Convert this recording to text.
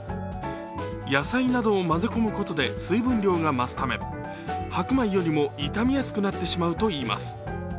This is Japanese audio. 野菜などを混ぜ込むことで水分量が増すため白米よりも傷みやすくなってしまうといいます。